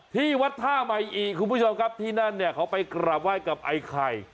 ที่วัดท่าใหม่อีกคุณผู้ชมครับที่นั่นเนี่ยเขาไปกราบไหว้กับไอ้ไข่